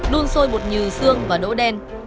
luôn sôi bột nhừ sương và đỗ đen